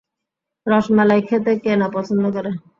রসমালাই খেতে কে না পছন্দ করেন।